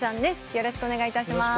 よろしくお願いします。